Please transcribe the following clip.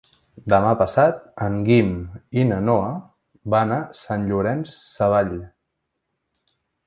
Demà passat en Guim i na Noa van a Sant Llorenç Savall.